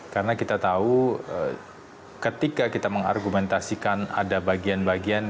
karena kita tahu ketika kita mengargumentasikan ada bagian bagian